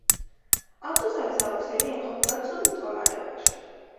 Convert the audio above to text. ავტოსაგზაო ქსელი იმყოფება ცუდ მდგომარეობაში.